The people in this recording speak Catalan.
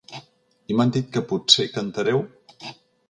I m’han dit que potser cantareu?.